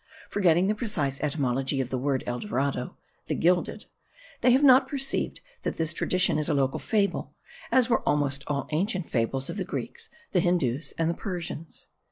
Forgetting the precise etymology of the word El Dorado (the gilded), they have not perceived that this tradition is a local fable, as were almost all the ancient fables of the Greeks, the Hindoos, and the Persians.